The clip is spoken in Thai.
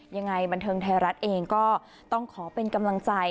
ยังไงบันเทิงไทยรัฐเองก็ต้องขอเป็นกำลังใจ